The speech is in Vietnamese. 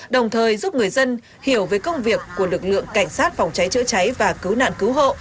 đồng thời giúp người dân hiểu về công việc của lực lượng cảnh sát phòng cháy chữa cháy và cứu nạn cứu hộ